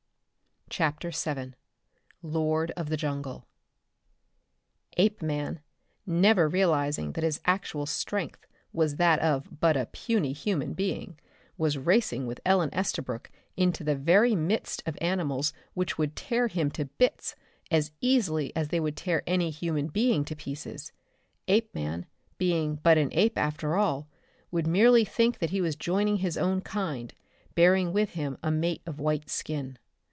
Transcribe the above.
CHAPTER VII Lord of the Jungle Apeman, never realizing that his actual strength was that of but a puny human being, was racing with Ellen Estabrook into the very midst of animals which would tear him to bits as easily as they would tear any human being to pieces. Apeman, being but an ape after all, would merely think that he was joining his own kind, bearing with him a mate with white skin.